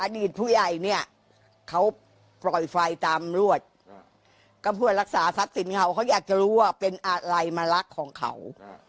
อดีตผู้ใหญ่เนี่ยเขาปล่อยไฟตามรวดก็เพื่อรักษาทรัพย์สินเขาเขาอยากจะรู้ว่าเป็นอะไรมารักของเขา